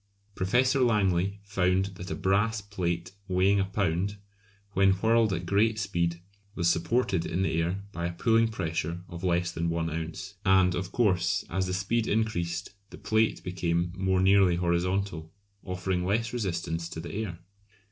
Professor Langley found that a brass plate weighing a pound, when whirled at great speed, was supported in the air by a pulling pressure of less than one ounce. And, of course, as the speed increased the plate became more nearly horizontal, offering less resistance to the air.